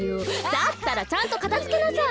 だったらちゃんとかたづけなさい！